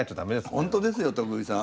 ほんとですよ徳井さん。